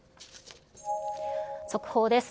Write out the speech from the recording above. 速報です。